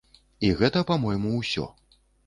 І гэта, па-мойму, усё.